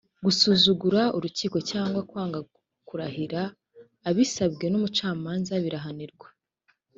gusuzugura urukiko cyangwa kwanga kurahira abisabwe n’umucamanza birahanirwa